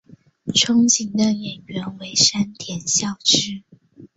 憧憬的演员为山田孝之。